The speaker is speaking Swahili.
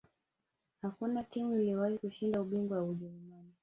hakuna timu iliyowahi kushinda ubingwa wa ujerumani